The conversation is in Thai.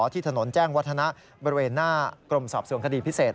ที่ถนนแจ้งวัฒนะบริเวณหน้ากรมสอบส่วนคดีพิเศษ